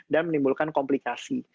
dan menimbulkan komplikasi